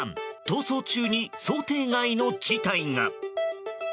逃走中に想定外の事態が。